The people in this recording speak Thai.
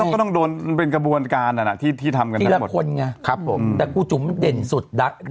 ก็ต้องโดนเป็นกระบวนการที่ทำกันทั้งหมด